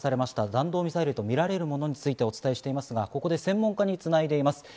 弾道ミサイルとみられるものについて、お伝えしていますが、ここで専門家につないでいます。